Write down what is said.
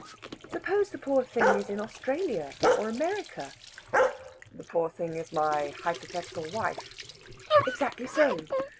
Suppose the poor thing is in Australia or America." "The poor thing is my hypothetical wife?" "Exactly so.